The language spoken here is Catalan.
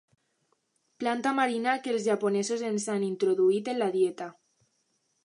Planta marina que els japonesos ens han introduït en la dieta.